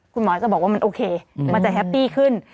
คุณหมอจะบอกว่ามันโอเคมันจะแฮปปี้ขึ้น